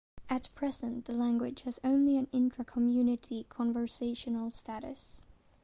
At present the language has only an intra community conversational status.